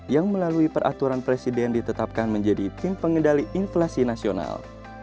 yang melalui peraturan presiden ditetapkan menjadi tim pengendali inflasi nasional